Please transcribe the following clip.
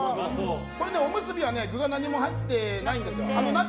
おむすびは具が何も入ってないんですよ。